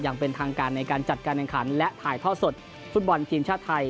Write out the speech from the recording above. อย่างเป็นทางการในการจัดการแข่งขันและถ่ายท่อสดฟุตบอลทีมชาติไทย